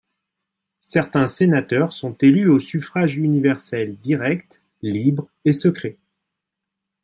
Certains sénateurs sont élus au suffrage universel direct, libre et secret.